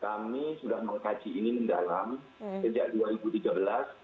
kami sudah mengkaji ini mendalam